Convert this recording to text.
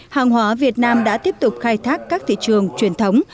hàng hóa việt nam đã tiếp tục khai thác các thị trường truyền thống